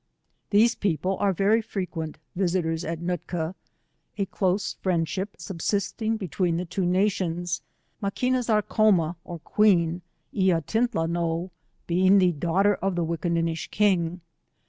These people are very frequent visitors at Nootka, a close friendship subsisting between the two nations, Maquina's Jtrcomah, or Queen». Y ya iintla no^ being the daughter of the Wickinni nish kins